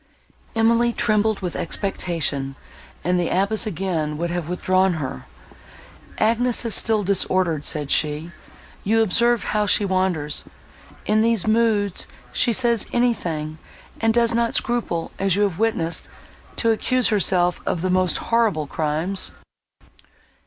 Emily trembled with expectation, and the abbess again would have withdrawn her. "Agnes is still disordered," said she, "you observe how she wanders. In these moods she says anything, and does not scruple, as you have witnessed, to accuse herself of the most horrible crimes."